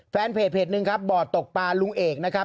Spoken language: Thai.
แฟนเพจหนึ่งครับบ่อตกปลาลุงเอกนะครับ